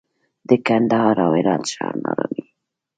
د کندهار او هرات ښار ناارامي